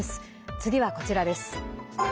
次は、こちらです。